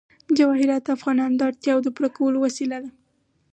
جواهرات د افغانانو د اړتیاوو د پوره کولو وسیله ده.